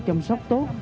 chăm sóc tốt